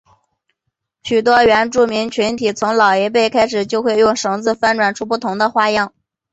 许多原住民群体从老一辈开始就会用绳子翻转出不同的花样。